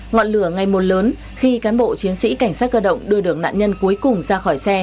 ngọn lửa ngày một lớn khi cán bộ chiến sĩ cảnh sát cơ động đưa đường nạn nhân cuối cùng ra khỏi xe